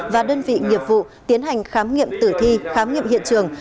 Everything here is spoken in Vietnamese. và đơn vị nghiệp vụ tiến hành khám nghiệm tử thi khám nghiệm hiện trường